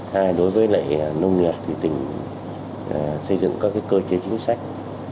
hai đối với lệ nông nghiệp thì tỉnh xây dựng các cơ chế chính sách